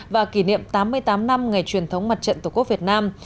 và kỷ niệm tám mươi tám năm ngày truyền thống mặt trận tổ quốc việt nam